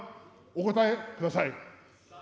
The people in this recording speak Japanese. お答えください。